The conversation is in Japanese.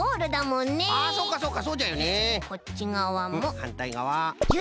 んっはんたいがわ。